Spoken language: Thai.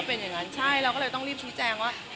เป็นอย่างนั้นใช่เราก็เลยต้องรีบชี้แจงว่า